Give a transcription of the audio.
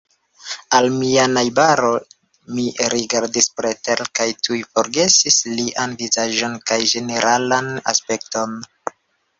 Al mia najbaro mi rigardis pretere, kaj tuj forgesis lian vizaĝon kaj ĝeneralan aspekton.